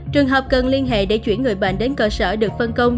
trường hợp cần liên hệ để chuyển người bệnh đến cơ sở được phân công